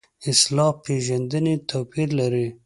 اصطلاح پېژندنې توپیر لري.